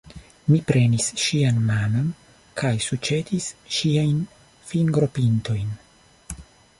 Mi prenis ŝian manon kaj suĉetis ŝiajn fingropintojn.